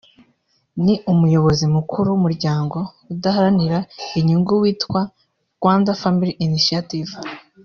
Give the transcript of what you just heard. ni n’Umuyobozi Mukuru w’Umuryango udaharanira inyungu witwa Rwanda Family Initiative